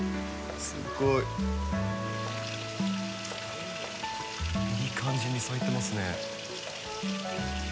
すごい。いい感じに咲いてますね。